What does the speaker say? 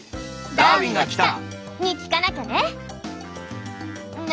「ダーウィンが来た！」に聞かなきゃね。